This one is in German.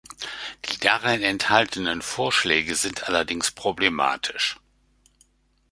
Die darin enthaltenen Vorschläge sind allerdings problematisch.